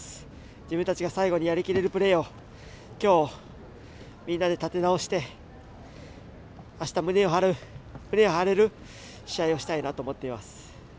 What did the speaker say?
自分たちが最後にやりきれるプレーをきょう、みんなで立て直してあした、胸を張れる試合をしたいなと思っています。